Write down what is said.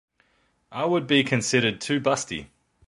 I would be considered too busty.